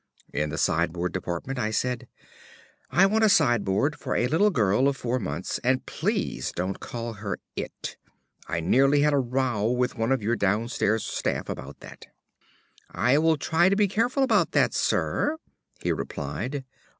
In the Sideboard Department I said: "I want a sideboard for a little girl of four months, and please don't call her 'IT.' I nearly had a row with one of your downstairs staff about that." "I will try to be careful about that, Sir," he replied.